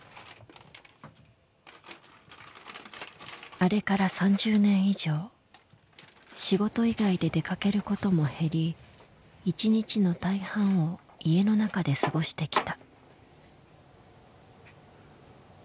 あれから３０年以上仕事以外で出かけることも減り１日の大半を家の中で過ごしてきた。